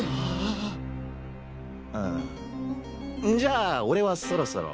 ああじゃあ俺はそろそろ。